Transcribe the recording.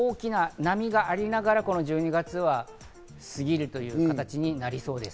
変化の波がありながら１２月は、過ぎるという形になりそうです。